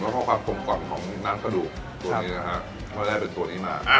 แล้วก็ความกลมกล่อมของน้ำกระดูกตัวนี้นะฮะก็ได้เป็นตัวนี้มา